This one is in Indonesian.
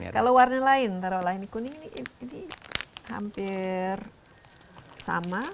kalau warna lain taruh warna kuning ini hampir sama